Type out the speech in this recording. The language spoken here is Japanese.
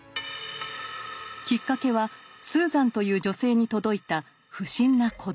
きっかけはスーザンという女性に届いた不審な小包。